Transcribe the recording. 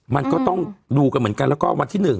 มันก็ต้องดูกันเหมือนกันแล้วก็วันที่๑